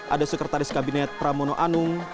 ada sekretaris kabinet pramono anung